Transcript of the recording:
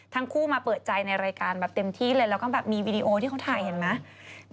ทั้งคู่มาเปิดใจในรายการแบบเต็มที่เลยแล้วก็แบบมีวีดีโอที่เขาถ่ายเห็นไหม